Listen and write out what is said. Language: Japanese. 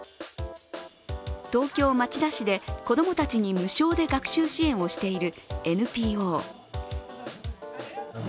東京・町田市で子供たちに無償で学習支援をしているＮＰＯ。